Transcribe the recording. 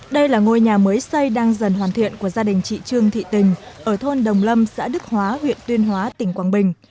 đây là ngôi nhà mới xây đang dần hoàn thiện của gia đình chị trương thị tình ở thôn đồng lâm xã đức hóa huyện tuyên hóa tỉnh quảng bình